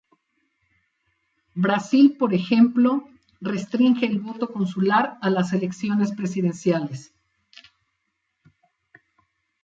Brasil, por ejemplo, restringe el voto consular a las elecciones presidenciales.